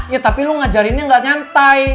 ya tapi lu ngajarinnya gak nyantai